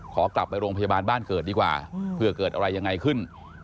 ขอกลับไปโรงพยาบาลบ้านเกิดดีกว่าเผื่อเกิดอะไรยังไงขึ้น